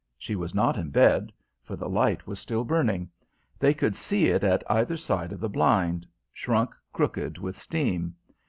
She was not in bed, for the light was still burning; they could see it at either side of the blind, shrunk crooked with steam.